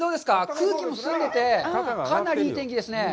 空気も澄んでて、かなりいい天気ですね。